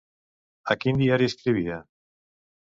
A quin diari escrivia?